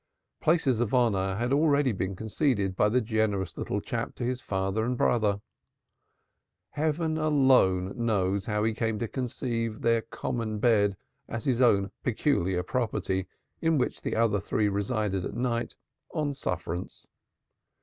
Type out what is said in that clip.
Places of honor had already been conceded by the generous little chap to his father and brother. Heaven alone knows how he had come to conceive their common bed as his own peculiar property in which the other three resided at night on sufferance.